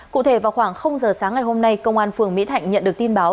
cụ thể vào khoảng giờ sáng ngày hôm nay công an phường mỹ thạnh nhận được tin báo